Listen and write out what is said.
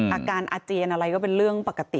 อาการอาเจียนอะไรก็เป็นเรื่องปกติ